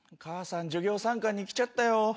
母さん授業参観に来ちゃったよ。